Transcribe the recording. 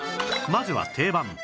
まずは定番